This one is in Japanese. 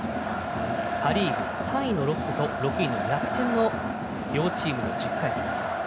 パ・リーグ、３位のロッテと６位の楽天の両チームの１０回戦。